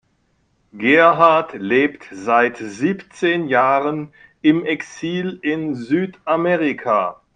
Gerhard lebt seit siebzehn Jahren im Exil in Südamerika.